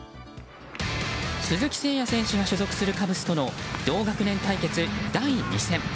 鈴木誠也選手が所属するカブスとの同学年対決、第２戦。